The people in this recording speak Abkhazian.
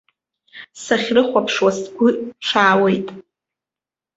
Сахьрыхәаԥшуа сгәы ԥшаауеит.